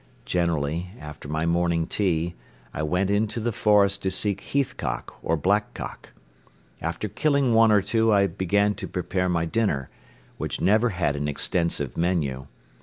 Generally, after my morning tea, I went into the forest to seek heathcock or blackcock. After killing one or two I began to prepare my dinner, which never had an extensive menu.